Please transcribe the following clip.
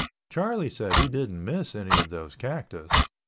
Charlie said he didn't miss any of those cactus.